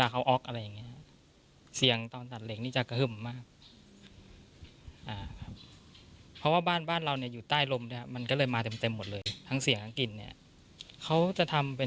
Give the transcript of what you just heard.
ก็มีทำเปลี่ยนประตูเนี่ยครับ